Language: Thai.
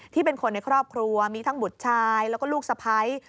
เป็นคนในครอบครัวมีทั้งบุตรชายแล้วก็ลูกสะพ้าย